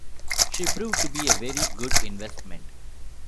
She proved to be a very good investment.